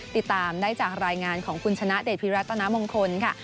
ติดตามได้จากรายงานของคุณชนะเดชพิรัตนามงคลค่ะ